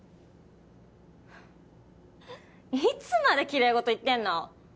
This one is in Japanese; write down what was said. フッいつまできれい事言ってんの？